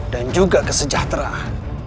dan juga kesejahteraan